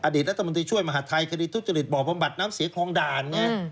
อดีตรัฐมนตรีช่วยมหาภัยคดีทุกจริตบ่อประบัติน้ำเสียครองด่าน